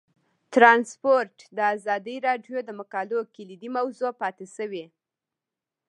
ترانسپورټ د ازادي راډیو د مقالو کلیدي موضوع پاتې شوی.